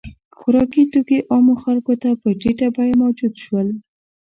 • خوراکي توکي عامو خلکو ته په ټیټه بیه موجود شول.